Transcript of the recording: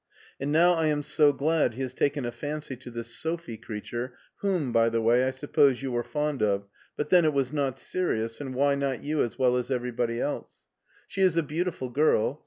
" And now I am so glad he has taken a fancy to this Sophie creature, whom, by the way, I suppose you were fond of, but then it was not serious, and why not you as well as everybody else. She is a beau tiful girl.